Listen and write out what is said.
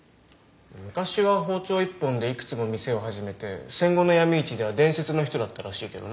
昔は包丁一本でいくつも店を始めて戦後の闇市では伝説の人だったらしいけどな。